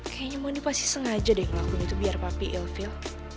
kayaknya mondi pasti sengaja deh ngelakuin itu biar papi ill feel